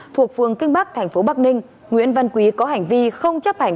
thuộc phương kinh bắc tp bắc ninh nguyễn văn quý có hành vi không chấp hành